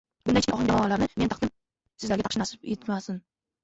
Bundaychikin ohangjamolarni men taqdim, sizlarga taqish nasib etmasin...